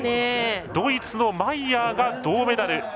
ドイツのマイヤーが銅メダル。